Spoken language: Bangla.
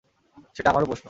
সেটা আমারও প্রশ্ন।